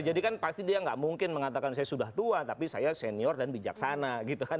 jadi kan pasti dia nggak mungkin mengatakan saya sudah tua tapi saya senior dan bijaksana gitu kan